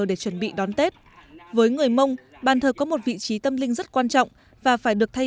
để chuẩn bị đón tết với người mông bàn thờ có một vị trí tâm linh rất quan trọng và phải được thay